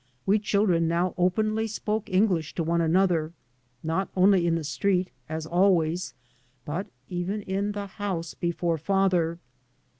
We children now openly spoke English to one another, not only in the street, as always, but even in the house before father.